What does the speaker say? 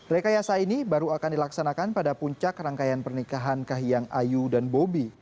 rekayasa ini baru akan dilaksanakan pada puncak rangkaian pernikahan kahiyang ayu dan bobi